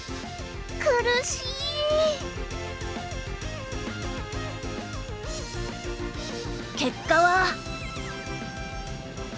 苦しい！結果は。